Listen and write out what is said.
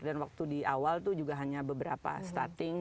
dan waktu di awal itu juga hanya beberapa starting